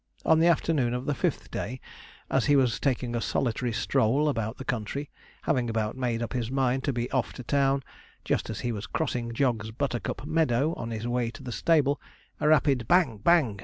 On the afternoon of the fifth day, as he was taking a solitary stroll about the country, having about made up his mind to be off to town, just as he was crossing Jog's buttercup meadow on his way to the stable, a rapid bang! bang!